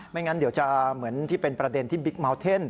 งั้นเดี๋ยวจะเหมือนที่เป็นประเด็นที่บิ๊กเมาเท่น